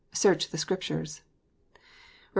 "Search the Scriptures." (Rom.